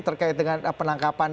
terkait dengan penangkapan